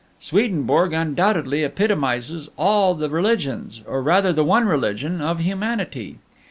Swedenborg undoubtedly epitomizes all the religions or rather the one religion of humanity.